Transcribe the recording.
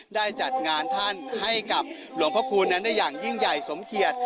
ได้จัดงานท่านให้กับหลวงพระคูณนั้นได้อย่างยิ่งใหญ่สมเกียจ